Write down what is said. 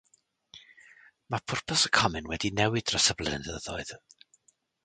Mae pwrpas y Comin wedi newid dros y blynyddoedd.